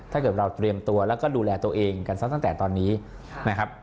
ถ้าเกิดเราเตรียมตัวแล้วก็ดูแลตัวเองกันซะตั้งแต่ตอนนี้นะครับ